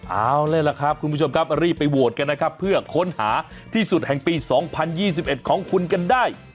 เอาเลยล่ะครับคุณผู้ชมครับรีบไปโหวตกันนะครับเพื่อค้นหาที่สุดแห่งปี๒๐๒๑ของคุณกันได้